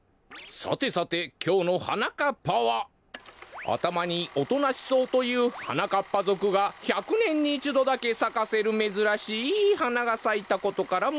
さてさてきょうの「はなかっぱ」はあたまに音なし草というはなかっぱぞくが１００ねんにいちどだけさかせるめずらしいはながさいたことからものがたりははじまります。